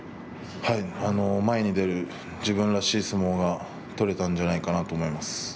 前に出る自分らしい相撲が取れたんじゃないかなと思います。